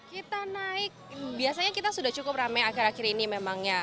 kita naik biasanya kita sudah cukup ramai akhir akhir ini memang ya